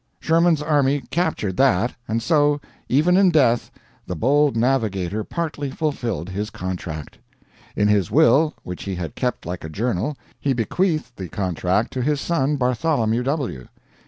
Sherman's army captured that, and so, even in death, the bold navigator partly fulfilled his contract. In his will, which he had kept like a journal, he bequeathed the contract to his son Bartholomew W.